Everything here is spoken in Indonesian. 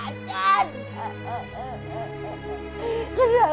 ancur aja hatimu pak